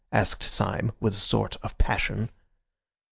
asked Syme, with a sort of passion.